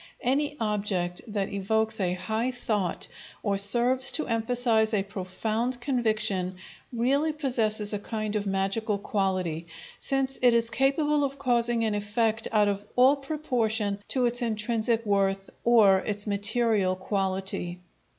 Any object that evokes a high thought or serves to emphasize a profound conviction really possesses a kind of magical quality, since it is capable of causing an effect out of all proportion to its intrinsic worth or its material quality.